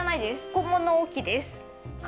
小物置きです。